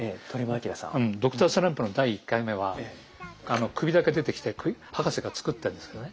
「Ｄｒ．スランプ」の第１回目は首だけ出てきて博士が作ったんですけどね。